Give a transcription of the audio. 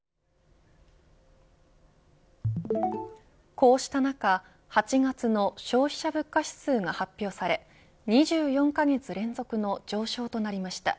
こうした中、８月の消費者物価指数が発表され２４カ月連続の上昇となりました。